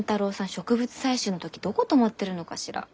植物採集の時どこ泊まってるのかしら？